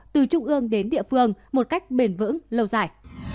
từ trung ương đến địa phương một cách bền vững lâu dài